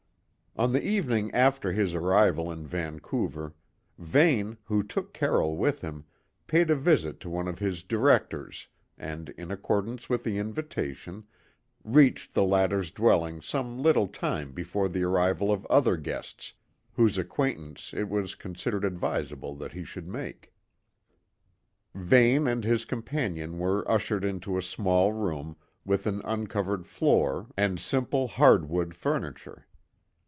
On the evening after his arrival in Vancouver, Vane, who took Carroll with him, paid a visit to one of his directors and, in accordance with the invitation, reached the latter's dwelling some little time before the arrival of other guests, whose acquaintance it was considered advisable that he should make. Vane and his companion were ushered into a small room with an uncovered floor and simple, hardwood furniture.